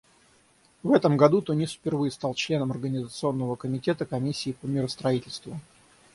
В этом году Тунис впервые стал членом Организационного комитета Комиссии по миростроительству.